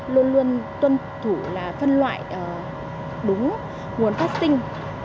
luôn luôn tuân thủ là phân loại đúng nguồn phát sinh